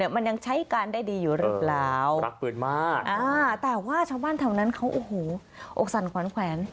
มันยังใช้การได้ดีอยู่หรือเปล่ารักปืนมากแต่ว่าชาวบ้านแถวนั้นเขาโอ้โหอกสั่นขวานแขวน